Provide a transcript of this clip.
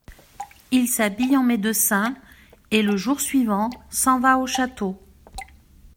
Il s'habille en médecin, et, le jour suivant, s'en va au château.